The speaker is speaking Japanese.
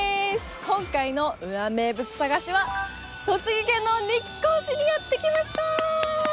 今回の裏名物探しは栃木県の日光市にやって来ました！